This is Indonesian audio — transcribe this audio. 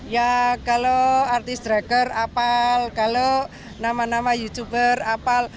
ya kalau artis driker apal kalau nama nama youtuber apal